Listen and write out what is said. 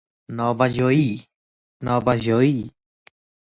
نابجایی